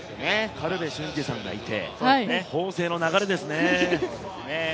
苅部俊二さんがいて法政の流れですね。